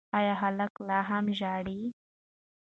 ایا هلک لا هم ژاړي؟